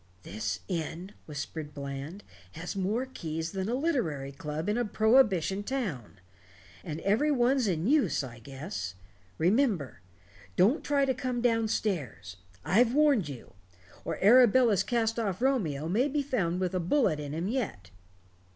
"This inn," whispered Bland, "has more keys than a literary club in a prohibition town. And every one's in use, I guess. Remember. Don't try to come down stairs. I've warned you. Or Arabella's cast off Romeo may be found with a bullet in him yet."